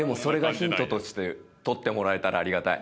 として取ってもらえたらありがたい。